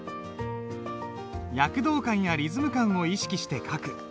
躍動感やリズム感を意識して書く。